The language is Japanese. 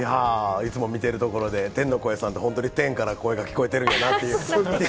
いつも見てるところで天の声さん、本当に天から声が聞こえてるなっていう。